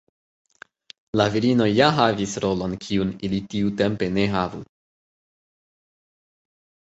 La virinoj ja havis rolon kiun ili tiutempe ne havu.